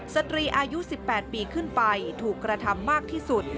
สตรีอายุ๑๘ปีขึ้นไปถูกกระทำมากที่สุด